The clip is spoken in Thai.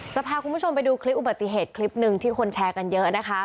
จะพาคุณผู้ชมไปดูคลิปอุบัติเหตุคลิปหนึ่งที่คนแชร์กันเยอะนะคะ